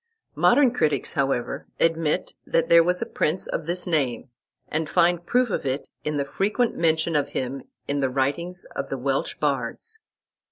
Modern critics, however, admit that there was a prince of this name, and find proof of it in the frequent mention of him in the writings of the Welsh bards.